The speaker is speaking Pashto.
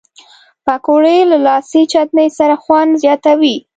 پکورې له لاسي چټني سره خوند زیاتوي